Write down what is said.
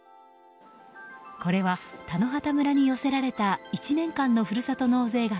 これは田野畑村に寄せられた１年間のふるさと納税額